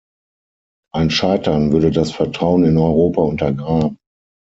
Ein Scheitern würde das Vertrauen in Europa untergraben.